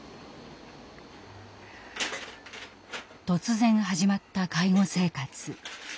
突然始まった介護生活。